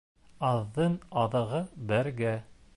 Аҙҙың аҙығы бергә.